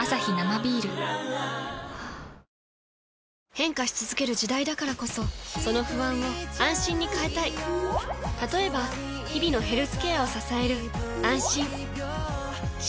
変化し続ける時代だからこそその不安を「あんしん」に変えたい例えば日々のヘルスケアを支える「あんしん」